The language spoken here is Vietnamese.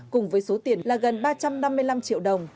cùng với số tiền là gần ba trăm năm mươi năm triệu đồng